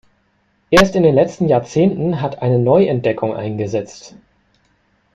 Erst in den letzten Jahrzehnten hat eine Neuentdeckung eingesetzt.